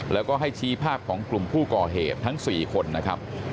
แล้วก็ให้ชี้ภาพของกลุ่มผู้ก่อเหตุทั้ง๔คนนะครับ